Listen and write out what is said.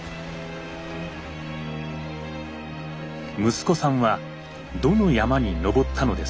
「息子さんはどの山に登ったのですか？」。